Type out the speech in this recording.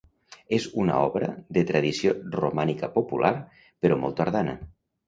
És una obra de tradició romànica popular, però molt tardana.